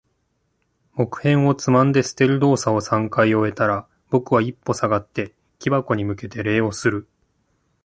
木片をつまんで捨てる動作を三回終えたら、僕は一歩下がって、木箱に向けて礼をする。